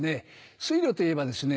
水路といえばですね